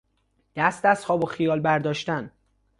دست از خواب و خیال برداشتن